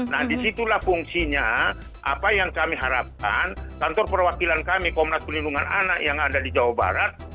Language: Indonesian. nah disitulah fungsinya apa yang kami harapkan kantor perwakilan kami komnas pelindungan anak yang ada di jawa barat